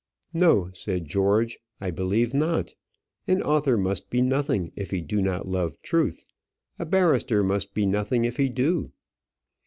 "No," said George, "I believe not. An author must be nothing if he do not love truth; a barrister must be nothing if he do."